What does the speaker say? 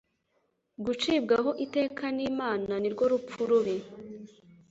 gucibwaho iteka ni mana ni rwo rupfu rubi